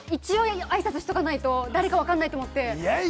一応あいさつしておかないと誰かわからないと分かって。